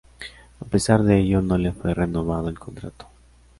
A pesar de ello, no le fue renovado el contrato.